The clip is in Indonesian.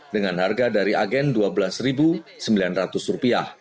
dengan harga dari agen rp dua belas sembilan ratus